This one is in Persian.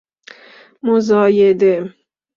مزایده